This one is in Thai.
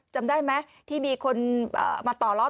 จำได้ไหมที่มีคนมาต่อล้อ